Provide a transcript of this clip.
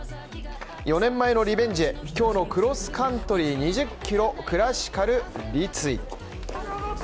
４年前のリベンジへ、今日のクロスカントリー２０ｋｍクラシカル立位。